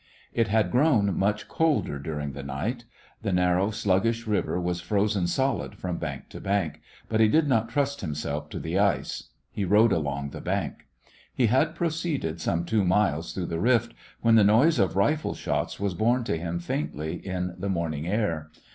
It had grown much colder during A Christmas When the night. The narrow, sluggish river was frozen solid from bank to bank, but he did not trust himself to the ice. He rode along the bank. He had proceeded some two miles through the rift when the noise of rifle shots was borne to him faintly in the morning air.